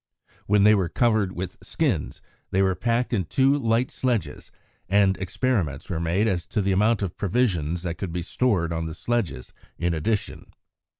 When they were covered with skins, they were packed on two light sledges, and experiments were made as to the amount of provisions that could be stored on the sledges in addition.